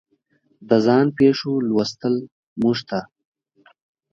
د ځان پېښو لوستل موږ ته